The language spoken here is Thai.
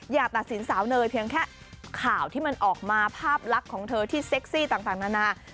อย่าตัดสินสาวเนยเพียงแค่ข่าวที่มันออกมาภาพลักษณ์ของเธอที่เซ็กซี่ต่างนานา